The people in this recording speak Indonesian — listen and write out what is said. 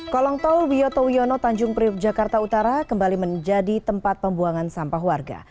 kolong tol wiyoto wiono tanjung priuk jakarta utara kembali menjadi tempat pembuangan sampah warga